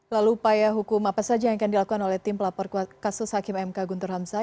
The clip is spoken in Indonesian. lalu upaya hukum apa saja yang akan dilakukan oleh tim pelapor kasus hakim mk guntur hamzah